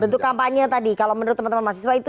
bentuk kampanye tadi kalau menurut teman teman mahasiswa itu